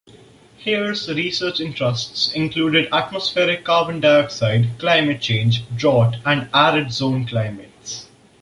Hare's research interests included atmospheric carbon dioxide, climate change, drought, and arid zone climates.